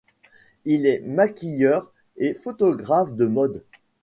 Il est maquilleur et photographe de mode.